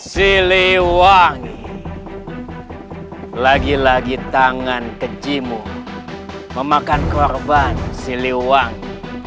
siliwangi lagi lagi tangan kecimu memakan korban siliwangi